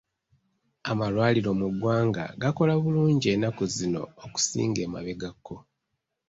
Amalwaliro mu ggwanga gakola bulungi ennaku zino okusinga emabegako.